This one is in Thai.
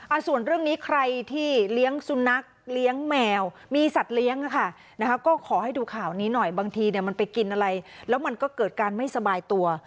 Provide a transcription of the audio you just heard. ส่วนเรื่องนี้ใครที่เลี้ยงสุนัขเลี้ยงแมวมีสัตว์เลี้ยงอ่ะค่ะนะคะก็ขอให้ดูข่าวนี้หน่อยบางทีเนี่ยมันไปกินอะไรแล้วมันก็เกิดการไม่สบายตัว